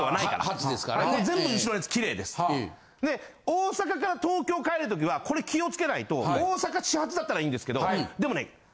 大阪から東京帰るときはこれ気をつけないと大阪始発だったらいいんですけどでもね。